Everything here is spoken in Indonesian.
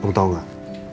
om tau gak